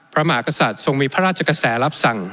พระมหากษัตริย์ทรงมีพระราชกระแสรับสั่ง